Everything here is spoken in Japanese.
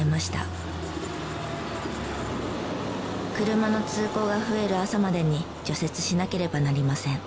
車の通行が増える朝までに除雪しなければなりません。